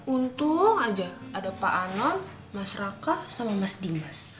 untung aja ada pak ano mas raka sama mas dimas